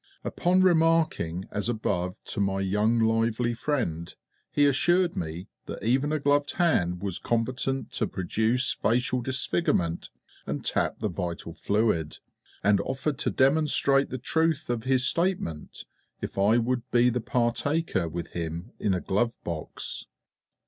Upon remarking as above to my young lively friend, he assured me that even a gloved hand was competent to produce facial disfigurement and tap the vital fluid, and offered to demonstrate the truth of his statement if I would be the partaker with him in a glove box.